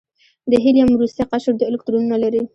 د هیلیم وروستی قشر دوه الکترونونه لري.